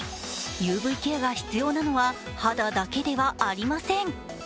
ＵＶケアが必要なのは肌だけではありません。